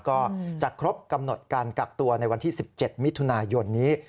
ก็จะครบกำหนดการกักตัวในวันที่๑๗มิถุนายนนี้